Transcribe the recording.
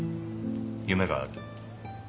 夢がある。